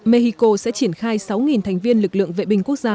mexico sẽ triển khai sáu thành viên lực lượng vệ binh quốc gia